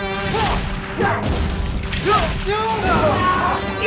aji jangan pergi tuhan aji